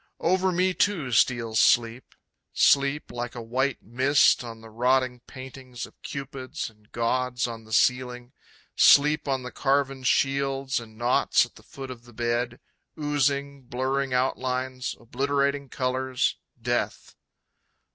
Over me too steals sleep. Sleep like a white mist on the rotting paintings of cupids and gods on the ceiling; Sleep on the carven shields and knots at the foot of the bed, Oozing, blurring outlines, obliterating colors, Death.